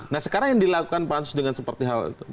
nah sekarang yang dilakukan pansus dengan seperti hal itu